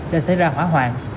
đã xảy ra hỏa hoạn